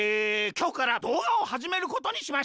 きょうからどうがをはじめることにしました。